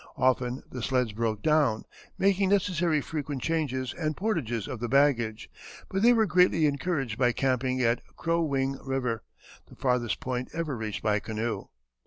Often the sleds broke down, making necessary frequent changes and portages of the baggage, but they were greatly encouraged by camping at Crow wing River, the farthest point ever reached by canoe.